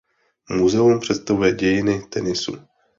Muzeum představuje dějiny tenisu.